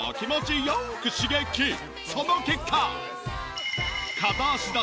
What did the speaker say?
その結果。